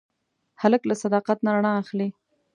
هلک له صداقت نه رڼا اخلي.